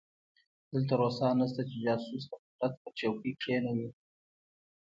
دلته روسان نشته چې جاسوس د قدرت پر څوکۍ کېنوي.